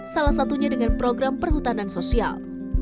salah satunya dengan program perhutanan sosial